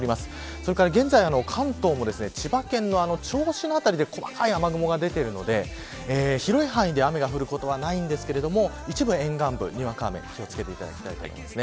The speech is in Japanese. それから現在関東も千葉県の銚子の辺りで細かい雨雲が出ているので広い範囲で雨が降ることはないんですが一部沿岸部、にわか雨に気を付けていただきたいと思います。